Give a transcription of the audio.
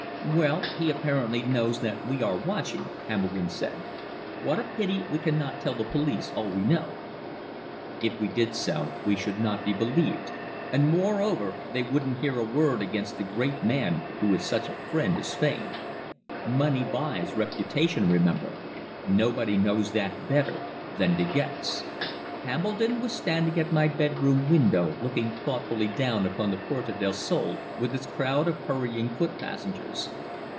"Well, he apparently knows that we are watching," Hambledon said. "What a pity we cannot tell the police all we know." "If we did we should not be believed, and, moreover, they wouldn't hear a word against the great man who is such a friend to Spain. Money buys reputation, remember. Nobody knows that better than De Gex." Hambledon was standing at my bedroom window looking thoughtfully down upon the Puerta del Sol with its crowd of hurrying foot passengers.